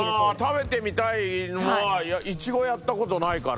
食べてみたいのはいちごやった事ないから。